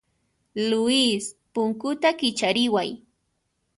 Luis, punkuta kichariway.